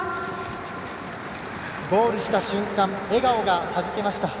ゴールした瞬間笑顔がはじけました。